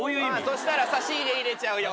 そしたら差し入れ入れちゃうよ。